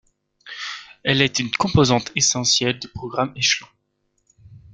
Elle est une composante essentielle du programme Echelon.